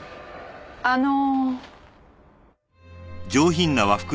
あの。